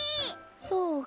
そうか。